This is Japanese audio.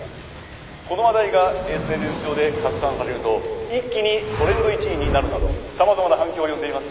この話題がＳＮＳ上で拡散されると一気にトレンド１位になるなどさまざまな反響を呼んでいます。